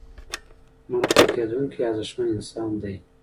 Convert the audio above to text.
مرکه کېدونکی ارزښتمن انسان دی.